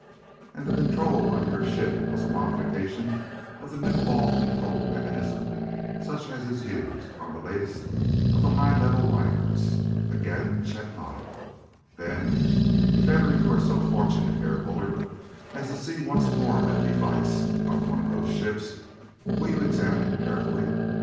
"And the control on your ship was a modification of the new ball control mechanism such as is used on the latest of the high level liners?" Again Chet nodded. "Then, if ever you are so fortunate, Herr Bullard, as to see once more that device on one of those ships, will you examine it carefully?